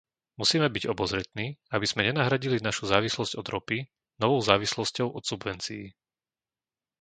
Musíme byť obozretní, aby sme nenahradili našu závislosť od ropy novou závislosťou od subvencií.